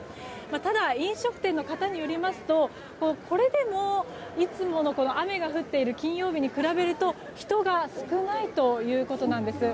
ただ、飲食店の方によりますとこれでもいつもの雨が降っている金曜日に比べると人が少ないということなんです。